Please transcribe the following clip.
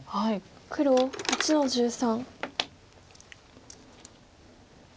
黒８の十三。